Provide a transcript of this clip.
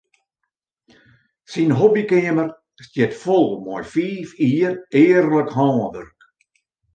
Syn hobbykeamer stiet fol mei fiif jier earlik hânwurk.